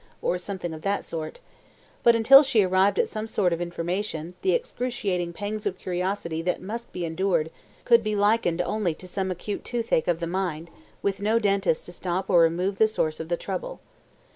or something of that sort; but until she arrived at some sort of information, the excruciating pangs of curiosity that must be endured could be likened only to some acute toothache of the mind with no dentist to stop or remove the source of the trouble.